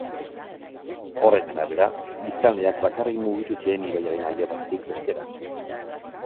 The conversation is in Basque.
Horren arabera, biztanleak bakarrik mugitu ziren ibaiaren alde batetik bestera.